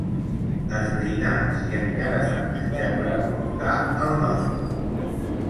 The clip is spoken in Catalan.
Esbrinar si encara fan menjar per emportar al Nostrum.